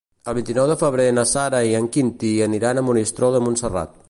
El vint-i-nou de febrer na Sara i en Quintí aniran a Monistrol de Montserrat.